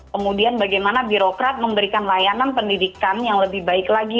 kemudian bagaimana birokrat memberikan layanan pendidikan yang lebih baik lagi